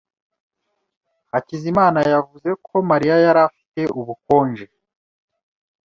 Hakizimana yavuze ko Mariya yari afite ubukonje.